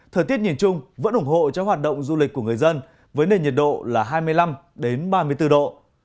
thời tiết nhìn chung vẫn ủng hộ cho hoạt động du lịch của người dân với nền nhiệt độ là hai mươi năm ba mươi bốn độ